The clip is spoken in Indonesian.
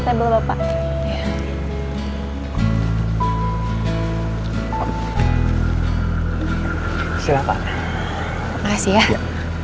table bapak silahkan kasih ya